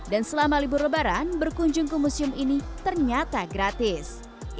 dan selama libur lebaran berkunjung ke museum ini ternyata gratis